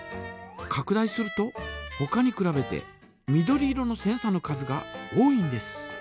かく大するとほかにくらべて緑色のセンサの数が多いんです。